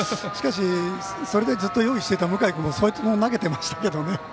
それでずっと用意していた向井君も投げてましたけどね。